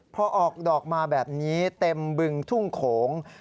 พอออกดอกมาแบบนี้เต็มบึงทุ่งโขง